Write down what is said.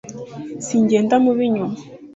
singenda mu b'inyuma